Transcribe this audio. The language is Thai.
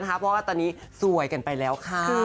เพราะว่าตอนนี้สวยกันไปแล้วค่ะ